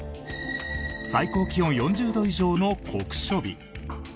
最高気温４０度以上の酷暑日。